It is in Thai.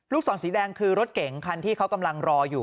ศรสีแดงคือรถเก๋งคันที่เขากำลังรออยู่